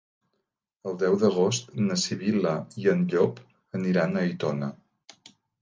El deu d'agost na Sibil·la i en Llop aniran a Aitona.